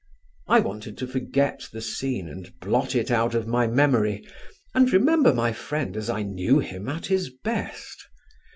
I wanted to forget the scene and blot it out of my memory, and remember my friend as I knew him at his best.